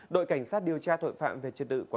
đội cảnh sát điều tra tội phạm về chất tự